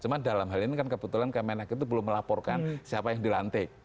cuma dalam hal ini kan kebetulan kemenek itu belum melaporkan siapa yang dilantik